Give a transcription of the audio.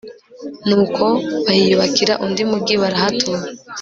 nuko bahiyubakira undi mugi, barahatura